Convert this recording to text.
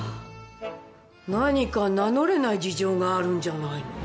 何か名乗れない事情があるんじゃないの？